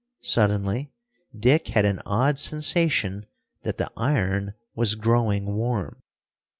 Suddenly Dick had an odd sensation that the iron was growing warm.